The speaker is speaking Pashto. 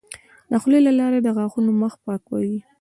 د خولې لاړې د غاښونو مخ پاکوي.